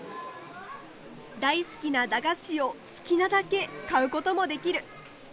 大好きな駄菓子を好きなだけ買うこともできる。